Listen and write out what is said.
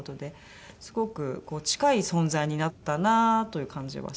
すごく近い存在になったなというという感じはします。